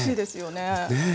ねえ。